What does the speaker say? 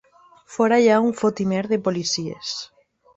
Fora hi ha un fotimer de policies.